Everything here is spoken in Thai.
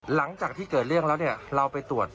หลังจากที่เกิดเรื่องแล้วเราไปตรวจ